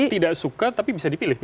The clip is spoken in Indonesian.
tidak suka tapi bisa dipilih